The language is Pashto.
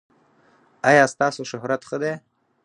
ایا ستاسو شهرت ښه دی؟